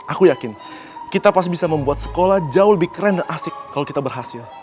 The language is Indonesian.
aku yakin kita pasti bisa membuat sekolah jauh lebih keren dan asik kalau kita berhasil